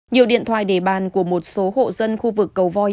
nhiều điện thoại để bàn của một số hộ dân khu vực cầu voi